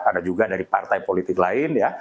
ada juga dari partai politik lain ya